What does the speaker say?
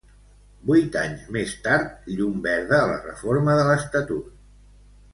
Vuit anys més tard llum verda a la reforma de l'estatut.